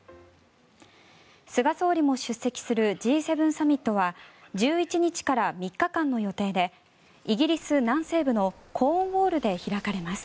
菅総理も出席するＧ７サミットは１１日から３日間の予定でイギリス南西部のコーンウォールで開かれます。